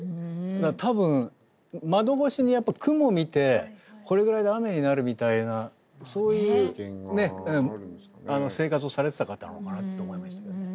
多分窓越しに雲を見てこれぐらいで雨になるみたいなそういう生活をされてた方なのかなって思いましたけどね。